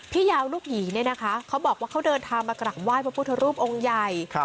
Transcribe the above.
ยาวลูกหยีเนี่ยนะคะเขาบอกว่าเขาเดินทางมากราบไหว้พระพุทธรูปองค์ใหญ่